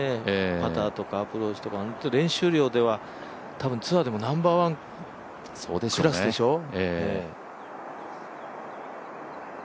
パターとか、アプローチとか、練習量では、ツアーでもナンバーワンクラスでしょう。